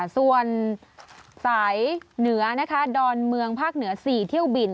ส่วนสายเหนือนะคะดอนเมืองภาคเหนือ๔เที่ยวบิน